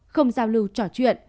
không giao lưu trò chuyện